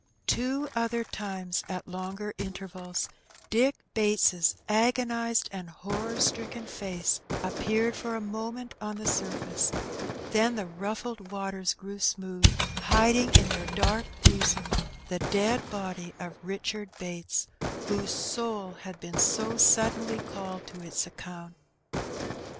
Two other times, at longer intervals, Dick Bates* agonized and horror stricken face appeared for a mo ment on the surface; then the ruffled waters grew smooth, hiding in their dark bosom the dead body of Eichard Bates, whose soul had been so suddenly called to its account.